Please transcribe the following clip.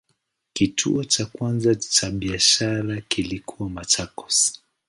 Kituo cha kwanza cha biashara kilikuwa Machakos.